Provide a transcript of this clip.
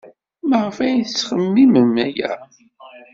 Maɣef ay yettxemmim aya?